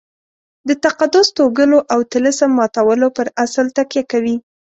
د تقدس توږلو او طلسم ماتولو پر اصل تکیه کوي.